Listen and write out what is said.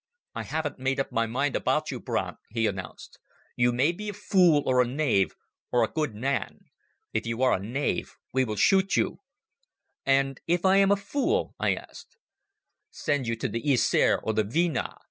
"I haven't made up my mind about you, Brandt," he announced. "You may be a fool or a knave or a good man. If you are a knave, we will shoot you." "And if I am a fool?" I asked. "Send you to the Yser or the Dvina.